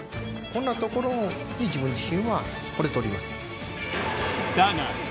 こんなところに自分自身は惚れております。